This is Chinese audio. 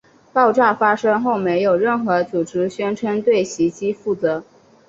爆炸发生后没有任何组织宣称对袭击负责。